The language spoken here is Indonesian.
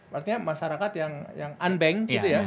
artinya masyarakat yang unbank gitu ya